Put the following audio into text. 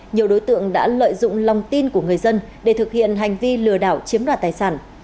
nhiều đối tượng đã lợi dụng lòng tin của người dân để thực hiện hành vi lừa đảo chiếm đoạt tài sản